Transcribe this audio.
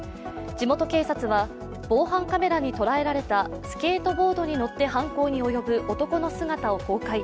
地元警察は、防犯カメラに捉えられたスケートボードに乗って犯行に及ぶ男の姿を公開。